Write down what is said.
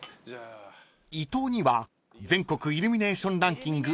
［伊東には全国イルミネーションランキング